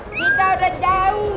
kita udah jauh